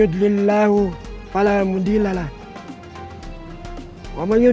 assalamualaikum warahmatullahi wabarakatuh